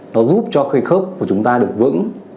nó giúp cho khớp của chúng ta được vững